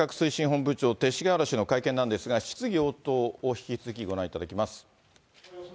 本部長、勅使河原氏の会見なんですが、質疑応答を引き続きご覧いただきます。